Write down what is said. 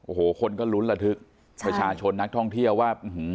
โอ้โหคนก็ลุ้นระทึกใช่ประชาชนนักท่องเที่ยว่าอื้อหือ